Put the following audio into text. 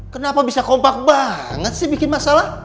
kenapa bisa kompak banget sih bikin masalah